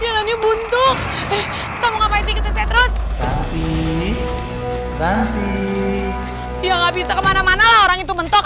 ini bunto kamu ngapain sih kita seterus tapi tapi ya nggak bisa kemana mana orang itu bentuk